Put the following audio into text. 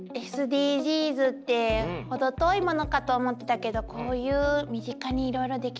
ＳＤＧｓって程遠いものかと思ってたけどこういう身近にいろいろできるのがあるのね。